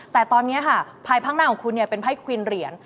แต่ตอนนี้ค่ะภายพักหน้าของคุณเนี่ยเป็นไพควินเหรียญ